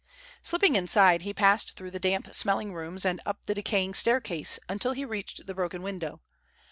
Slipping inside, he passed through the damp smelling rooms and up the decaying staircase until he reached the broken window.